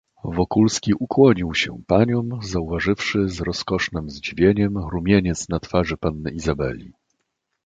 "Wokulski ukłonił się paniom, zauważywszy, z rozkosznem zdziwieniem, rumieniec na twarzy panny Izabeli."